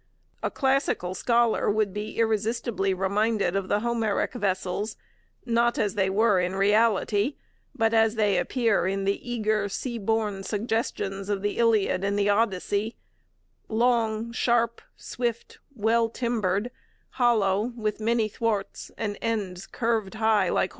A classical scholar would be irresistibly reminded of the Homeric vessels, not as they were in reality, but as they appear in the eager, sea born suggestions of the Iliad and the Odyssey long, sharp, swift, well timbered, hollow, with many thwarts, and ends curved high like horns.